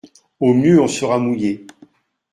Au mieux on sera mouillés.